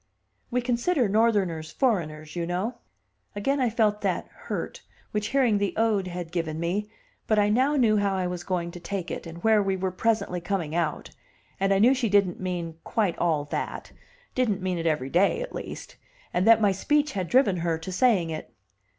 "We consider Northerners foreigners, you know." Again I felt that hurt which hearing the ode had given me, but I now knew how I was going to take it, and where we were presently coming out; and I knew she didn't mean quite all that didn't mean it every day, at least and that my speech had driven her to saying it.